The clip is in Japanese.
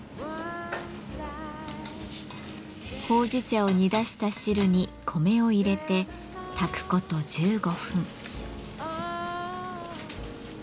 ほうじ茶を煮出した汁に米を入れて炊くこと１５分。